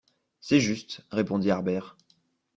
C’est juste, répondit Harbert